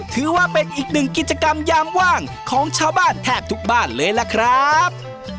ถือว่าเป็นอีกหนึ่งกิจกรรมยามว่างของชาวบ้านแทบทุกบ้านเลยล่ะครับ